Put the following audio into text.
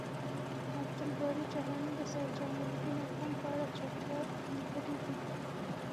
عبد الباری جهانی د سید جمالدین افغان په اړه چټیات لیکلی دی